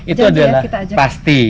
itu adalah pasti